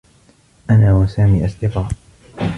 أنا و سامي أصدقاء.